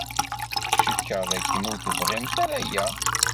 Cikkeɣ dakken ur tebɣimt ara aya.